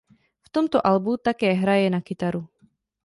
V tomto albu také hraje na kytaru.